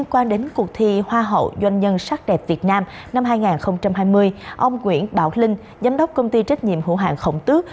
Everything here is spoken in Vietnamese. của hoa hậu doanh nhân sắc đẹp việt nam năm hai nghìn hai mươi ông nguyễn đạo linh giám đốc công ty trách nhiệm hữu hạng khổng tước